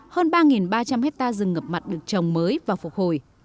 hơn ba ba trăm linh hectare rừng ngập mặt được trồng mới và phục hồi